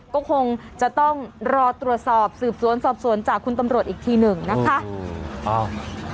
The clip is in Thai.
ก็คงจะต้องรอตรวจสอบสืบสวนสอบสวนจากคุณตำรวจอีกทีหนึ่งนะคะ